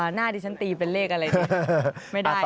หน้าดิฉันตีเป็นเลขอะไรดิ